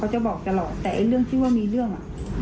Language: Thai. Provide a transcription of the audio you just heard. จะบอกตลอดแต่เรื่องที่ว่ามีเรื่อง